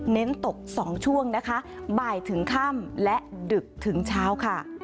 เน้นตก๒ช่วงนะคะบ่ายถึงค่ำและดึกถึงเช้าค่ะ